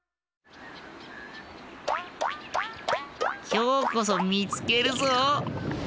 きょうこそみつけるぞ。